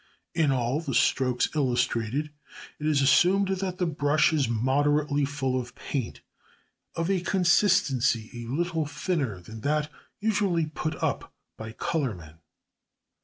In all the strokes illustrated it is assumed that the brush is moderately full of paint of a consistency a little thinner than that usually put up by colourmen.